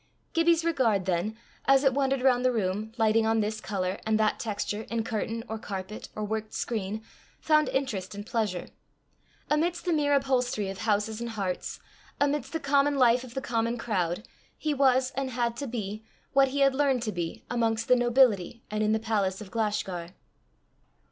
Gibbie's regard then, as it wandered round the room, lighting on this colour, and that texture, in curtain, or carpet, or worked screen, found interest and pleasure. Amidst the mere upholstery of houses and hearts, amidst the common life of the common crowd, he was, and had to be, what he had learned to be amongst the nobility and in the palace of Glashgar.